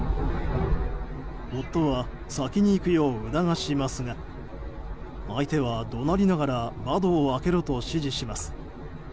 夫は先に行くよう促しますが相手は怒鳴りながら窓を開けろと指示します。